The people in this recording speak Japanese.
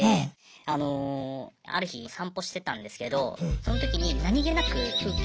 あのある日散歩してたんですけどその時に何気なく風景